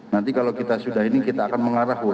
nanti kalau kita sudah ini kita akan mengarah